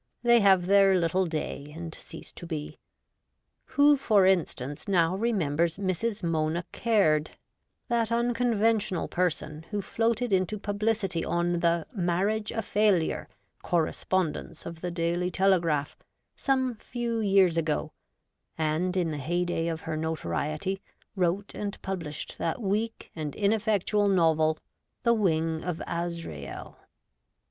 They have their little day, and cease to be. Who, for instance, now remembers Mrs. Mona Caird, that unconventional person who floated into publicity on the ' Marriage a Failure ' correspondence of the Daily Telegraph, some few years ago, and, in the heyday of her notoriety, wrote and published that weak and ineffectual novel, The Wing of Azrael